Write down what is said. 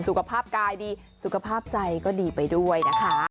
สุขภาพกายดีสุขภาพใจก็ดีไปด้วยนะคะ